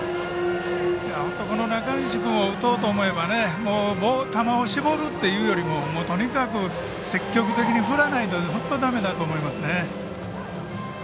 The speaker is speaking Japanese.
この中西君を打とうと思えば球を絞るというよりも、とにかく積極的に振らないと本当にだめだと思いますね。